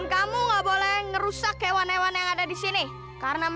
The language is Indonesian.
kau apaan adikku